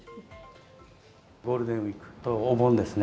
ゴールデンウィークとお盆ですね。